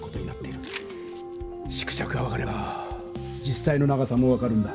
縮尺が分かれば実さいの長さも分かるんだ。